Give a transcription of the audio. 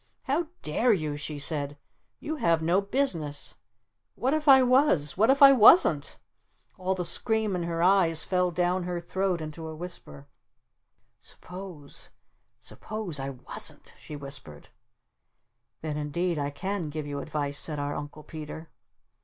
"How dare you?" she said. "You have no business! What if I was? What if I wasn't?" All the scream in her eyes fell down her throat into a whisper. "Suppose Suppose I WASN'T?" she whispered. "Then indeed I CAN give you advice," said our Uncle Peter.